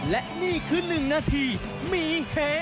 และนี่คือ๑นาทีมีเห